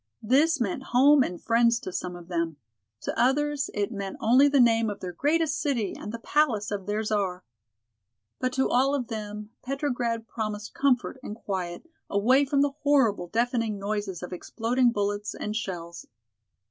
This meant home and friends to some of them. To others it meant only the name of their greatest city and the palace of their Czar. But to all of them Petrograd promised comfort and quiet, away from the horrible, deafening noises of exploding bullets and shells.